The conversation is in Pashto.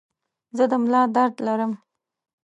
زه د ملا درد لرم.